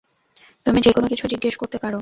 তুমি যেকোনো কিছু জিজ্ঞেস করতে পারো।